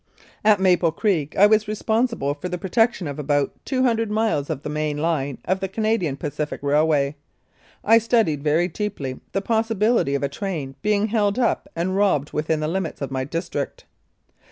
At Maple Creek I was responsible for the protection of about two hundred miles of the main line of the Canadian Pacific Railway, and I studied very deeply the possibility of a train being held up and robbed within the limits of my district.